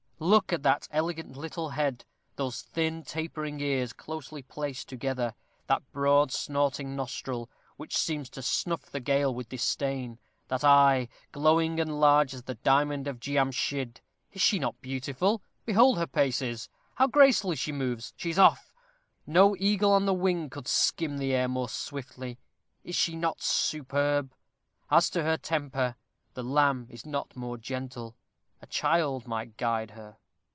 Look at that elegant little head; those thin, tapering ears, closely placed together; that broad, snorting nostril, which seems to snuff the gale with disdain; that eye, glowing and large as the diamond of Giamschid! Is she not beautiful? Behold her paces! how gracefully she moves! She is off! no eagle on the wing could skim the air more swiftly. Is she not superb? As to her temper, the lamb is not more gentle. A child might guide her.